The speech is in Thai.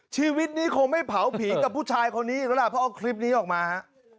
ชีวิตนี้คงไม่เผาผีกับผู้ชายคนนี้อีกแล้วล่ะเพราะเอาคลิปนี้ออกมาฮะ